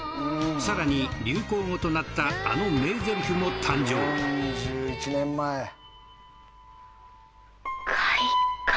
さらに流行語となったあの名ゼリフも誕生カ・イ